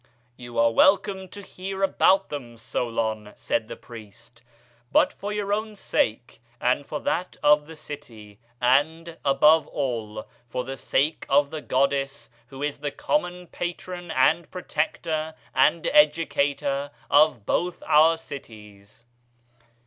'You are welcome to hear about them, Solon,' said the priest, 'both for your own sake and for that of the city; and, above all, for the sake of the goddess who is the common patron and protector and educator of both our cities.